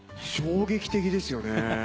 衝撃的ですよね。